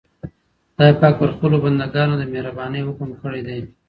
خدای پاک پر خپلو بندګانو د مهربانۍ حکم کړی دی.